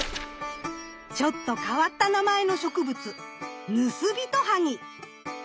ちょっと変わった名前の植物ヌスビトハギ。